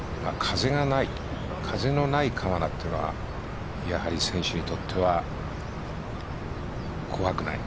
風のない川奈というのはやはり、選手にとっては怖くない。